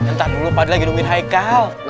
ntar gue lupa dia lagi ngundangin haikal